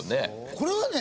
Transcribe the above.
これはね